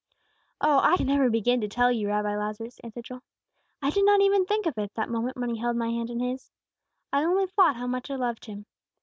"Oh, I can never begin to tell you, Rabbi Lazarus," answered Joel. "I did not even think of it that moment when He held my hand in His. I only thought how much I loved Him.